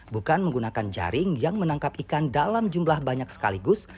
bukan menggunakan jaring yang menangkap ikan dalam jumlah banyak sekaligus